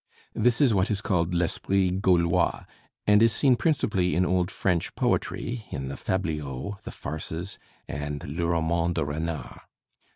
This is what is called l'esprit gaulois, and is seen principally in old French poetry, in the fabliaux, the farces, and 'Le Roman de Renart.'